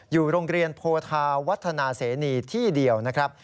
อยู่โรงเรียนโพธาวัฒนาเสนีที่เดียวนะครับ